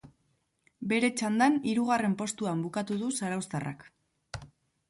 Bere txandan hirugarren postuan bukatu du zarauztarrak.